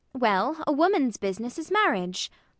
Well, a woman's business is marriage.